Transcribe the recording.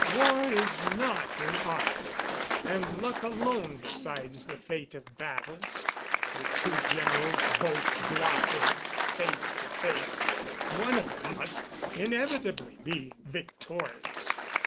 War is not an art, and luck alone decides the fate of battles. With two generals, both blockheads, face to face, one of them must inevitably be victorious.